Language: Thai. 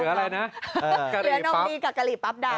เนื้อนมีกับกะหรี่ปั๊บดัง